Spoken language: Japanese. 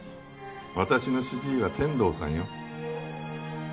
私の主治医は天堂さんよ。